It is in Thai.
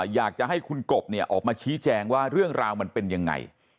อยากจะให้คุณกบเนี่ยออกมาชี้แจงว่าเรื่องราวมันเป็นยังไง